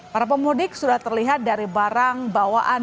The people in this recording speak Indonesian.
para pemudik sudah terlihat dari barang bawaan